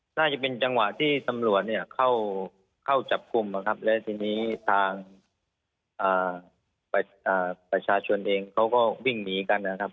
น่าจะเป็นจังหวะที่ตำรวจเนี่ยเข้าจับกลุ่มนะครับและทีนี้ทางประชาชนเองเขาก็วิ่งหนีกันนะครับ